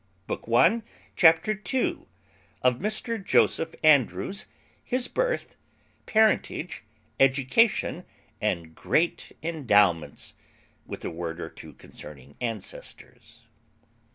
CHAPTER II. _Of Mr Joseph Andrews, his birth, parentage, education, and great endowments; with a word or two concerning ancestors.